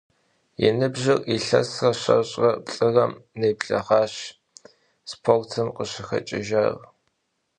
Yi nıbjır yilhes şeş're plh'ırem nebleğaueş sportım khışıxeç'ıjjar.